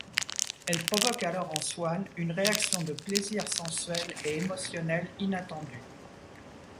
Elle provoque alors en Swann une réaction de plaisir sensuel et émotionnel inattendu.